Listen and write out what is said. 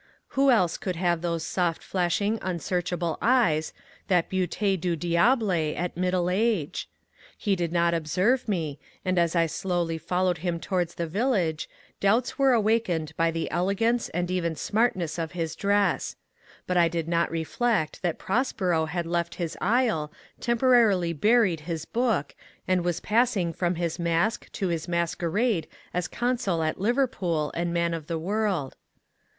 Who else oould have those soft flashing unsearchable eyes, that beautS du diable at middle age ? He did not observe me, and as I slowly fol lowed him towards the village, doubts were awakened by the elegance and even smartness of his dress. But I did not re flect that Prospero had left his isle, temporarily buried his book, and was passing from his masque to his masquerade as consul at Liverpool and man of the world.